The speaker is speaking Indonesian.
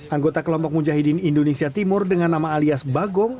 anggota kelompok mujahidin indonesia timur dengan nama alias bagong